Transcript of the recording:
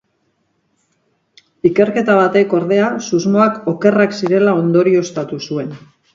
Ikerketa batek, ordea, susmoak okerrak zirela ondorioztatu zuen.